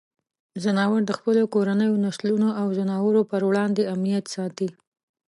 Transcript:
ځناور د خپلو کورنیو نسلونو او ځناورو پر وړاندې امنیت ساتي.